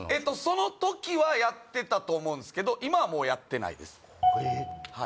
その時はやってたと思うんすけど今はもうやってないですえっ？